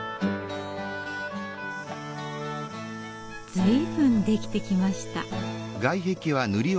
随分できてきました。